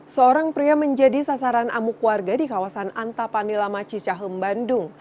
seorang pria menjadi sasaran amuk warga di kawasan antapanilamaci cahem bandung